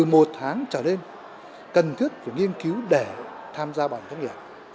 một tháng trở lên cần thiết của nghiên cứu để tham gia bảo hiểm thất nghiệp